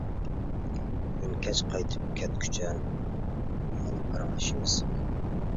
بۈگۈن كەچ قايتىپ كەتكۈچە يەنە پاراڭلىشىمىز.